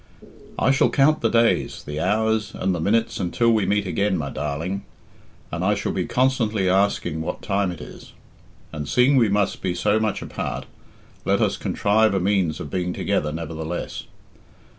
"I shall count the days, the hours, and the minutes until we meet again, my darling, and I shall be constantly asking what time it is. And seeing we must be so much apart, let us contrive a means of being together, nevertheless.